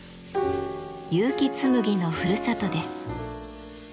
結城紬のふるさとです。